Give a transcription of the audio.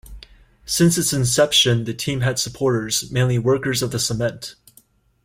Since its inception, the team had supporters, mainly workers of the cement.